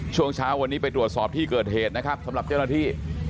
ช่วงเช้าวันนี้ไปตรวจสอบที่เกิดเหตุนะครับสำหรับเจ้าหน้าที่